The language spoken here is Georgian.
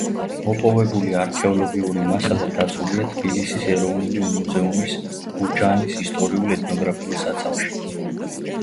მოპოვებული არქეოლოგიური მასალა დაცულია თბილისის ეროვნული მუზეუმის გურჯაანის ისტორიულ-ეთნოგრაფიულ საცავში.